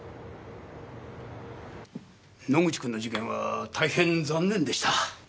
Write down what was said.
野口くんの事件は大変残念でした。